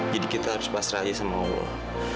jadi kita harus pasrah aja sama allah